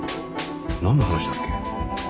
何の話だっけ？